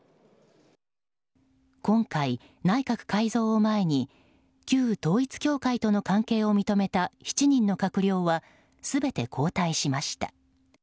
今回、内閣改造を前に旧統一教会との関係を認めた７人の閣僚は全て交代しました。